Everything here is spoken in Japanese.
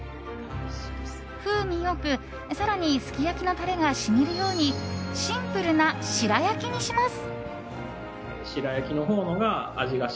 風味良く、更にすき焼きのタレが染みるようにシンプルな白焼きにします。